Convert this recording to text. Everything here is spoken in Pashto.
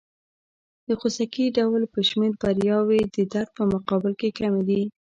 د خوسکي ډول په شمېر بریاوې د درد په مقابل کې کمې دي.